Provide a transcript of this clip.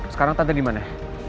sekarang tante dimana